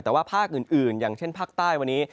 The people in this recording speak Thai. แต่ว่าภาคอื่นอย่างเช่นภาคใต้วันนี้